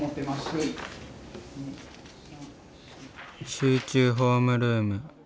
集中ホームルーム。